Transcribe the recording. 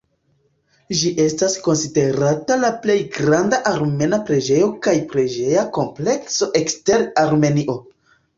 Ĝi estas konsiderata la plej granda armena preĝejo kaj preĝeja komplekso ekster Armenio.